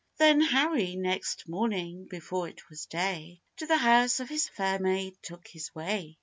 Then Harry next morning, before it was day, To the house of his fair maid took his way.